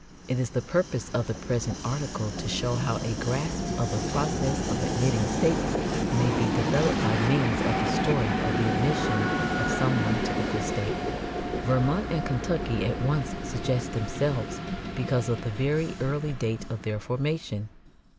It is the purpose of the present article to show how a grasp of the process of admitting states may be developed by means of the story of the admission of some one typical state. Vermont and Kentucky at once suggest themselves because of the very early date of their formation.